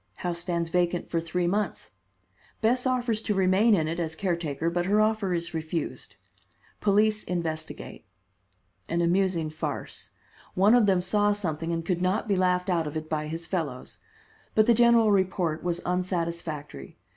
House stands vacant for three months. Bess offers to remain in it as caretaker, but her offer is refused. Police investigate. An amusing farce. One of them saw something and could not be laughed out of it by his fellows. But the general report was unsatisfactory.